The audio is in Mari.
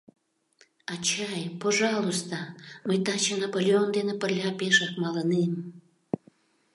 — Ачай, пожалуйста, мый таче Наполеон дене пырля пешак малынем.